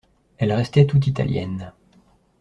Elle restait tout Italienne.